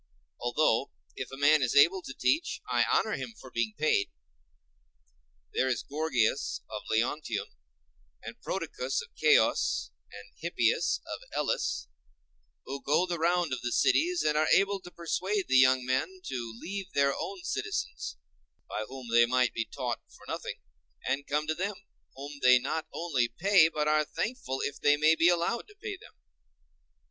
Although, if a man is able to teach, I honor him for being paid. There is Gorgias of Leontium, and Prodicus of Ceos, and Hippias of Elis, who go the round of the cities, and are able to persuade the young men to leave their own citizens, by whom they might be taught for nothing, and come to them, whom they not only pay, but are thankful if they may be allowed to pay them.